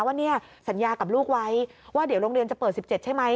ว่าเนี่ยสัญญากับลูกไว้ว่าเดี๋ยวโรงเรียนจะเปิด๑๗ใช่ไหม